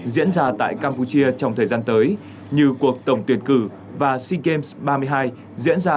diễn ra tại campuchia trong thời gian tới như cuộc tổng tuyển cử và sea games ba mươi hai diễn ra